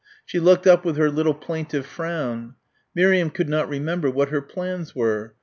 She looked up with her little plaintive frown. Miriam could not remember what her plans were.